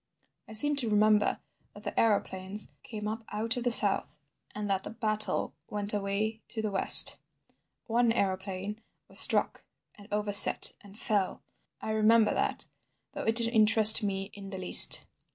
"I seem to remember that the aeroplanes came up out of the south, and that the battle went away to the west. One aeroplane was struck, and overset and fell. I remember that—though it didn't interest me in the least.